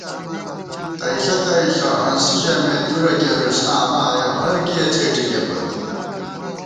تئیݪہ تئیݪہ ہنسی ژَمېت تُورہ کېرُوس آمہ آیَہ ہرکِیَہ څېٹِکېپت